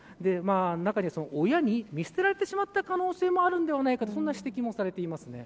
中には親に見捨てられてしまった可能性もあるんではないかとそんな指摘もされています。